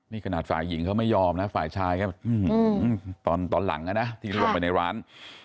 นี่ขนาดฝ่ายหญิงเขาไม่ยอมนะฝ่ายชายก็ตอนหลังนะที่ลงไปในร้าน